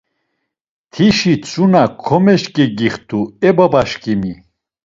Tişi tzuna komeşǩegixt̆u e babaşǩimi!